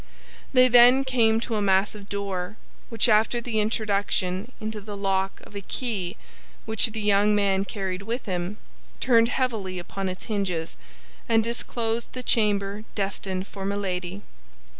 They then came to a massive door, which after the introduction into the lock of a key which the young man carried with him, turned heavily upon its hinges, and disclosed the chamber destined for Milady.